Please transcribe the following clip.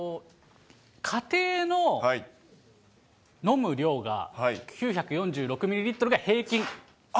家庭の飲む量が、９４６ミリリットルが平均。